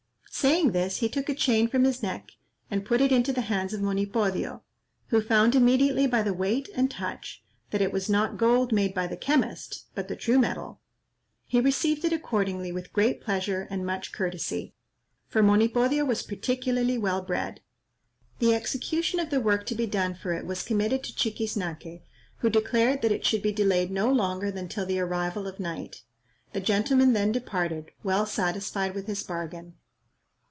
Saying this, he took a chain from his neck, and put it into the hands of Monipodio, who found immediately by the weight and touch that it was not gold made by the chemist, but the true metal. He received it accordingly with great pleasure and much courtesy, for Monipodio was particularly well bred. The execution of the work to be done for it was committed to Chiquiznaque, who declared that it should be delayed no longer than till the arrival of night. The gentleman then departed, well satisfied with his bargain.